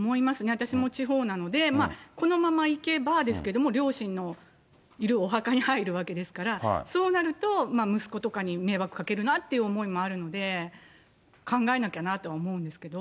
私も地方なので、このままいけばですけれども、両親のいるお墓に入るわけですから、そうなると、息子とかに迷惑かけるなって思いもあるので、考えなきゃなと思うんですけど。